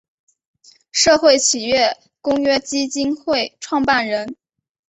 社会企业公约基金会创办人。